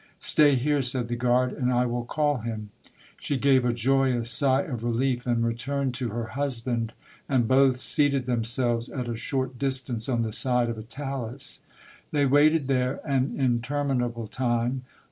" Stay here," said the guard, " and I will call him." She gave a joyous sigh of relief, and returned to her husband, and both s.eated themselves at a short distance, on the side of a talus. 36 Monday Tales, They waited there an interminable time.